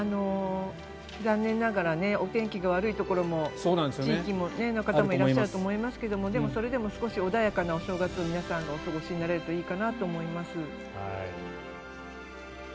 残念ながらお天気の悪い地域の方もいらっしゃると思いますがでも、それでも少し穏やかなお正月を皆さんお過ごしになれたらいいかなと思います。